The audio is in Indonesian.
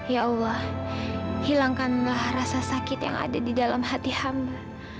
ya allah hilangkanlah rasa sakit yang ada di dalam hati hamba